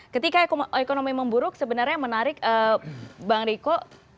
ketika ekonomi memburuk sebenarnya menarik bang riko